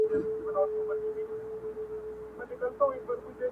همداسې شل او سل نور توپېرونه